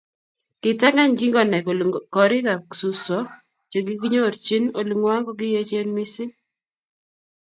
Kitangany kingonai kole gorikab kibubiswa chekikinyorchin olingwai kokiechen missing